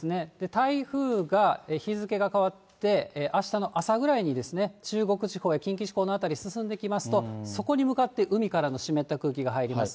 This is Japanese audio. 台風が日付が変わって、あしたの朝ぐらいに中国地方や近畿地方の辺り、進んできますと、そこに向かって海からの湿った空気が入ります。